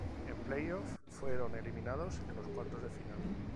En Playoffs fueron eliminados en los cuartos de final.